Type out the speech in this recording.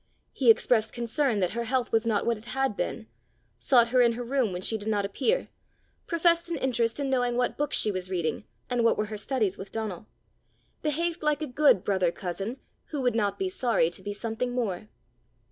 He expressed concern that her health was not what it had been; sought her in her room when she did not appear; professed an interest in knowing what books she was reading, and what were her studies with Donal; behaved like a good brother cousin, who would not be sorry to be something more.